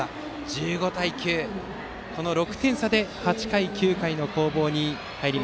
１５対９と６点差で８回と９回の攻防です。